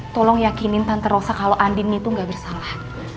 tolong yakinin tante rosa kalo andin itu gak bersalah